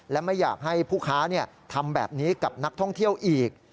และไม่อยากให้ผู้ค้าทำแบบนี้กับนักท่องเที่ยวอีก